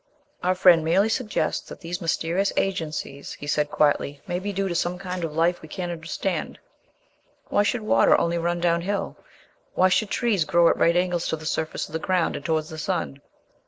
"Our friend merely suggests that these mysterious agencies," he said quietly, "may be due to some kind of life we cannot understand. Why should water only run downhill? Why should trees grow at right angles to the surface of the ground and towards the sun?